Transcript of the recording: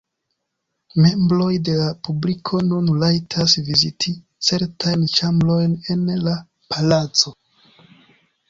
Membroj de la publiko nun rajtas viziti certajn ĉambrojn en la palaco.